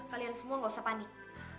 kalian semua gak usah panik